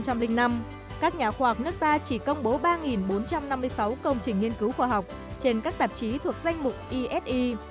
các nhà khoa học nước ta chỉ công bố ba bốn trăm năm mươi sáu công trình nghiên cứu khoa học trên các tạp chí thuộc danh mục esi